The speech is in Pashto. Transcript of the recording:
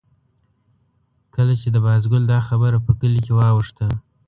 کله چې د بازګل دا خبره په کلي کې واوښته.